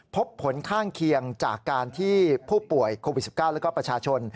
ผลข้างเคียงจากการที่ผู้ป่วยโควิด๑๙แล้วก็ประชาชน